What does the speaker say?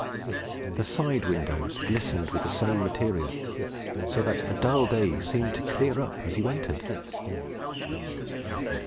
The side windows glistened with the same material, so that a dull day seemed to clear up as you entered.